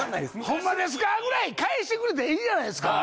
「ほんまですか？」ぐらい返してくれたらいいじゃないすか。